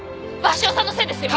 鷲尾さんのせいですよ！